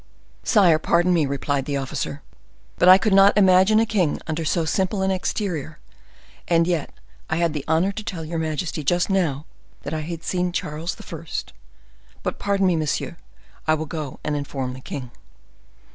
"Sire, pardon me," replied the officer, "but I could not imagine a king under so simple an exterior; and yet I had the honor to tell your majesty just now that I had seen Charles I. But pardon me, monsieur; I will go and inform the king."